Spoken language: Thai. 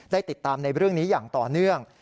ได้ติดตามในเรื่องนี้อย่างต่อเนื่อง